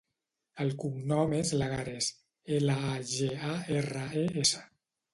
El cognom és Lagares: ela, a, ge, a, erra, e, essa.